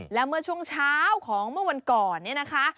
แล้วเมื่อช่วงเช้าของเมื่อวันก่อนเนี่ยนะคะ